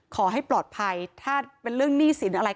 ขอให้ปลอดภัยถ้าเป็นเรื่องหนี้สินอะไร